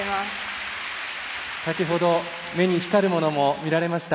先ほど目に光るものも見られました。